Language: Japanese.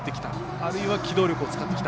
あるいは機動力を使ってきた。